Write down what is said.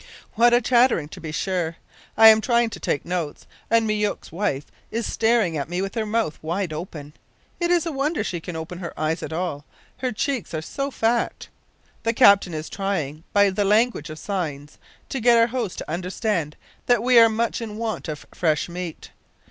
"What a chattering, to be sure! I am trying to take notes, and Myouk's wife is staring at me with her mouth wide open. It is a wonder she can open her eyes at all, her cheeks are so fat. The captain is trying, by the language of signs, to get our host to understand that we are much in want of fresh meat.